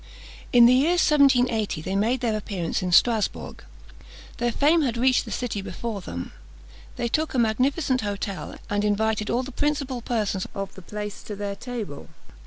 In the year 1780, they made their appearance in Strasbourg. Their fame had reached that city before them. They took a magnificent hotel, and invited all the principal persons of the place to their table.